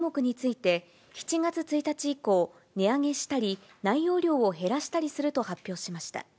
湖池屋は、スナック菓子５０品目について、７月１日以降、値上げしたり、内容量を減らしたりすると発表しました。